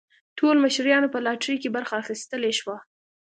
ټولو مشتریانو په لاټرۍ کې برخه اخیستلی شوه.